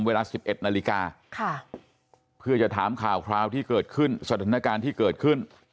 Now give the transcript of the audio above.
เวลา๑๑นาฬิกาเพื่อจะถามข่าวคราวที่เกิดขึ้นสถานการณ์ที่เกิดขึ้น